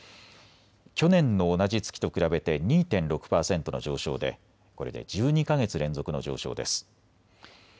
去年の同じ月と比べて２．６％の上昇でこれで１２か月連続の上昇です。